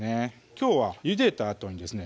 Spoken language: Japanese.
きょうはゆでたあとにですね